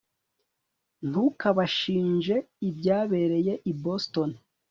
ntukabashinje ibyabereye i boston